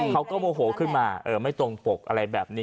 โมโหขึ้นมาไม่ตรงปกอะไรแบบนี้